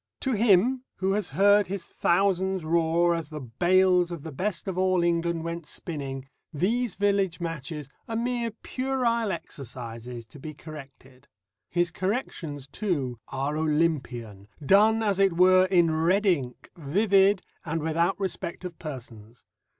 To him, who has heard his thousands roar as the bails of the best of All England went spinning, these village matches are mere puerile exercises to be corrected. His corrections, too, are Olympian, done, as it were, in red ink, vivid, and without respect of persons.